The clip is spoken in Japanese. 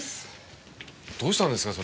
どうしたんですか？